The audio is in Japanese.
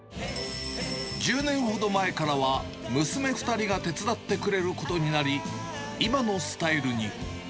１０年ほど前からは、娘２人が手伝ってくれることになり、今のスタイルに。